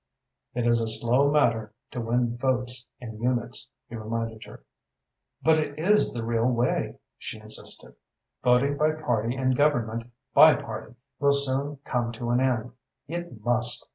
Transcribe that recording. "It is a slow matter to win votes in units," he reminded her. "But it is the real way," she insisted. "Voting by party and government by party will soon come to an end. It must.